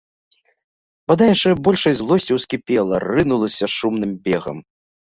Вада яшчэ большай злосцю ўскіпела, рынулася шумным бегам.